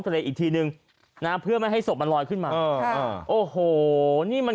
อีกทีนึงนะเพื่อไม่ให้ศพมันลอยขึ้นมาเออโอ้โหนี่มัน